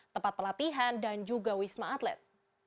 tempat pelatihan dan juga wisma atlet